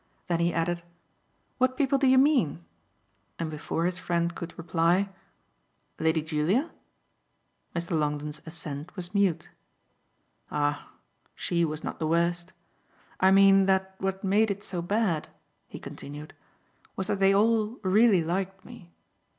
Then he added: "What people do you mean?" And before his friend could reply: "Lady Julia?" Mr. Longdon's assent was mute. "Ah she was not the worst! I mean that what made it so bad," he continued, "was that they all really liked me.